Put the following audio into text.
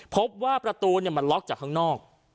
พบว่าประตูมันล็อกจากข้างนอก